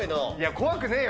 怖くねぇよ。